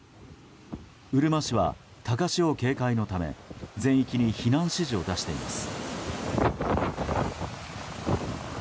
うるま市は高潮警戒のため全域に避難指示を出しています。